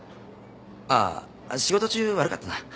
ああ仕事中悪かったな。